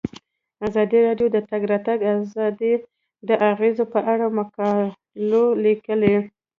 ازادي راډیو د د تګ راتګ ازادي د اغیزو په اړه مقالو لیکلي.